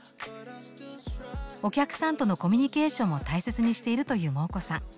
お客さんとのコミュニケーションも大切にしているというモー子さん。